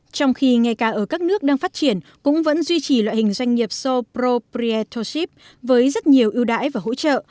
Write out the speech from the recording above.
trong khi ngay cả ở các nước đang phát triển cũng vẫn duy trì loại hình doanh nghiệp sole proprietoship với rất nhiều ưu đãi và hỗ trợ